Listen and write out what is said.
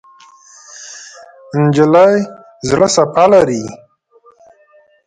نجلۍ زړه صفا لري.